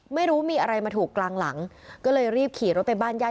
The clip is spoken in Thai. ไม่รู้มีอะไรมาถูกกลางหลังก็เลยรีบขี่รถไปบ้านญาติ